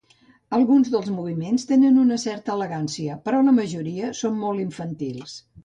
Alguns dels moviments tenen una certa elegància, però la majoria són molt infantils.